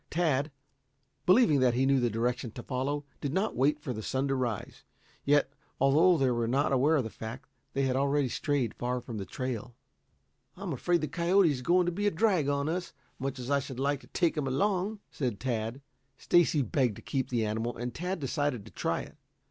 Tad, believing that he knew the direction to follow, did not wait for the sun to rise. Yet, although they were not aware of the fact, they already had strayed far from the trail. "I'm afraid the coyote is going to be a drag on us, much as I should like to take him along," said Tad. Stacy begged to keep the animal, and Tad decided to try it.